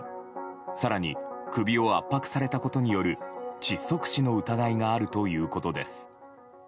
更に、首を圧迫されたことによる窒息死の疑いがあるということです。